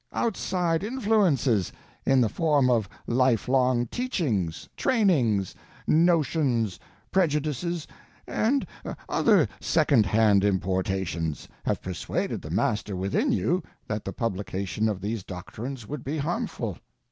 Outside influences—in the form of lifelong teachings, trainings, notions, prejudices, and other second hand importations—have persuaded the Master within you that the publication of these doctrines would be harmful.